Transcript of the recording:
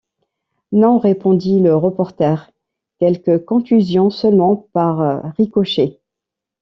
Non répondit le reporter, quelques contusions seulement, par ricochet